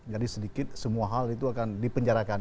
jadi sedikit semua hal itu akan dipenjarakan